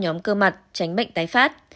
nhóm cơ mặt tránh bệnh tái phát